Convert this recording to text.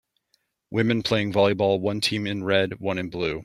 Women playing volleyball one team in red, one in blue.